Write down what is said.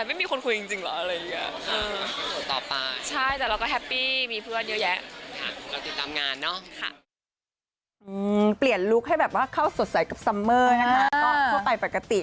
ไม่มีคนคอยนี่จริงเหรออะไรงี้